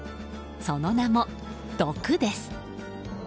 その名も「毒」です。